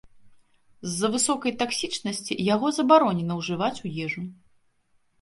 З-за высокай таксічнасці яго забаронена ўжываць у ежу.